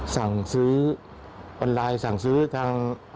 สั่งซื้อออนไลน์สั่งซื้อทาง